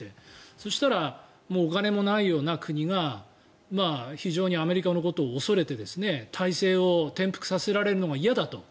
そしたら、お金もないような国が非常にアメリカのことを恐れて体制を転覆させられるのが嫌だと。